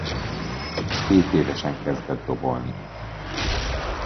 Hétévesen kezdett dobolni.